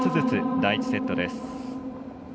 第１セットです。